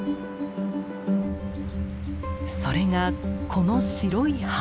それがこの白い浜。